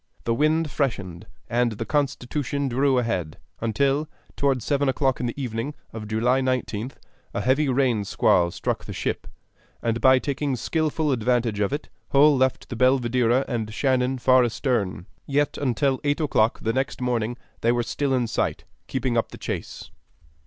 The wind freshened, and the Constitution drew ahead, until, toward seven o'clock in the evening of July 19th, a heavy rain squall struck the ship, and by taking skillful advantage of it Hull left the Belvidera and Shannon far astern; yet until eight o'clock the next morning they were still in sight, keeping up the chase.